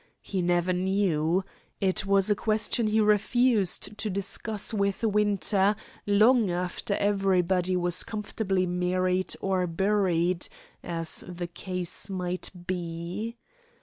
He never knew. It was a question he refused to discuss with Winter long after everybody was comfortably married or buried, as the case might be.